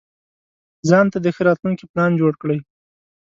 ځانته د ښه راتلونکي پلان جوړ کړئ.